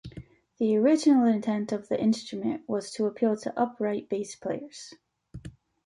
The original intention of the instrument was to appeal to upright bass players.